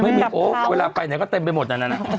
ไม่มีโอ๊คเวลาไปไหนก็เต็มไปหมดนั่น